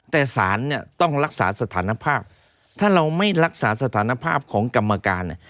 แต่สารต้องรักษาสถานะภาพถ้าเราไม่รักษาสถานะภาพของกรรมการ